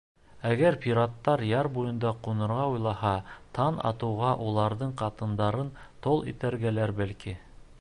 Әгәр пираттар яр буйында ҡунырға уйлаһа, таң атыуға уларҙың ҡатындарын тол итергәлер, бәлки?